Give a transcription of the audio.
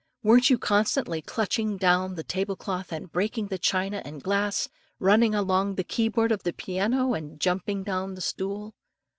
weren't you constantly clutching down the table cloth and breaking the china and glass, running along the key board of the piano, and jumping down the stool?